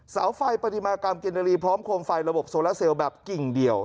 เสาไฟปฏิมากรรมกินนารีพร้อมโคมไฟระบบโซลาเซลแบบกิ่งเดียว